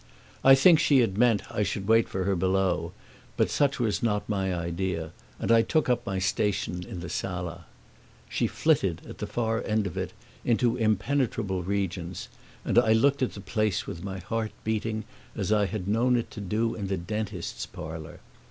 I think she had meant I should wait for her below, but such was not my idea, and I took up my station in the sala. She flitted, at the far end of it, into impenetrable regions, and I looked at the place with my heart beating as I had known it to do in the dentist's parlor.